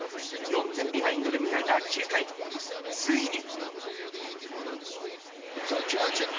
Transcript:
４点ビハインドで迎えた９回ついに。